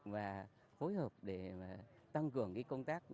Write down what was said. và phối hợp để tăng cường công tác